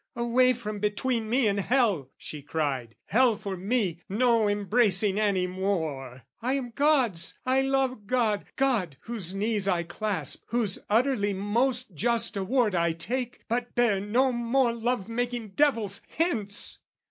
"Away from between me and hell!" she cried: "Hell for me, no embracing any more! "I am God's, I love God, God whose knees I clasp, "Whose utterly most just award I take, "But bear no more love making devils: hence!"